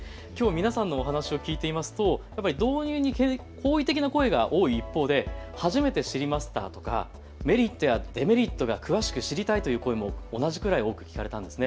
きょう皆さんのお話を聞いていますと、導入に好意的な声が多い一方で、初めて知りましたとか、メリットやデメリットが詳しく知りたいという声も同じくらい多く聞かれたんですね。